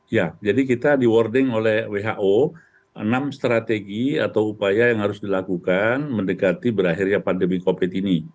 ya jadi kita di warding oleh who enam strategi atau upaya yang harus dilakukan mendekati berakhirnya pandemi covid ini